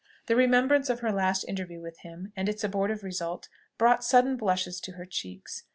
The remembrance of her last interview with him, and its abortive result, brought sudden blushes to her cheeks.